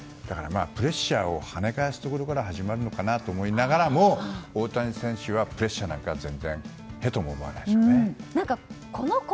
だからプレッシャーをはね返すところから始まるのかなと思いながらも大谷選手はプレッシャーなんか全然屁とも思わないでしょうね。